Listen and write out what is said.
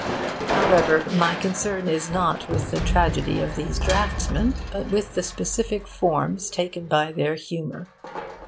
However, my concern is not with the tragedy of these draughtsmen, but with the specific forms taken by their humour.